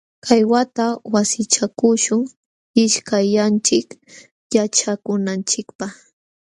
Kay wata wasichakuśhun ishkayllanchik yaćhakunanchikpaq.